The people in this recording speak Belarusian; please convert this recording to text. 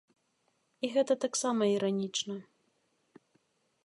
І гэта таксама іранічна.